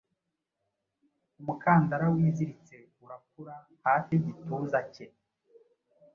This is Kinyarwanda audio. Umukandara wiziritse urakura, Hafi yigituza cye.